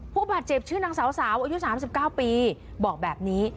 ผู้บาดเจ็บชื่อนางสาวอายุสามสิบเก้าปีบอกแบบนี้